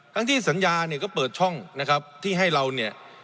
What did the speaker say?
ทั้งที่สัญญาเนี่ยก็เปิดช่องนะครับที่ให้เราเนี่ย